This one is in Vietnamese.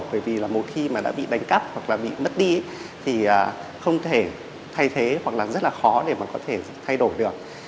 bởi vì là một khi mà đã bị đánh cắp hoặc là bị mất đi thì không thể thay thế hoặc là rất là khó để mà có thể thay đổi được